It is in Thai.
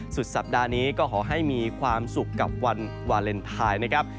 สุดสัปดาห์นี้ก็ขอให้มีความสุขกับวันวาเลนไทยนะครับ